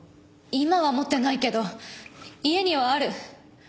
今は持ってないけど家にはある。